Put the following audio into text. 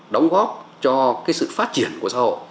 đóng góp cho sự phát triển của xã hội